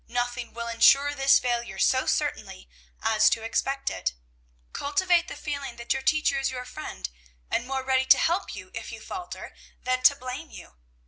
Nothing will insure this failure so certainly as to expect it. Cultivate the feeling that your teacher is your friend, and more ready to help you, if you falter, than to blame you.